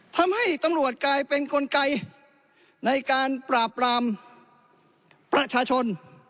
ทำให้ตำรวจกลายเป็นกลไกในการปราบปรามประชาชน